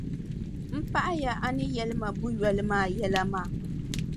M paɣiya a ni yɛli ma buʼ yoli maa yɛla maa.